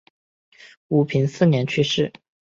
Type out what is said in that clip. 武平四年去世。